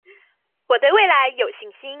我對未來有信心